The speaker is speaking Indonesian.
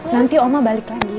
nanti oma balik lagi